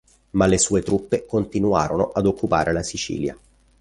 Ma le sue truppe continuarono ad occupare la Sicilia.